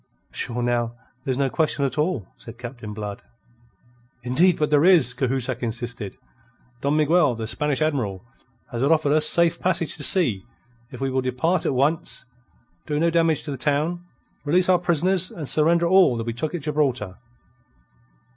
"Sure, now, there's no question at all," said Captain Blood. "Indeed, but there is," Cahusac insisted. "Don Miguel, the Spanish Admiral, have offer us safe passage to sea if we will depart at once, do no damage to the town, release our prisoners, and surrender all that we took at Gibraltar."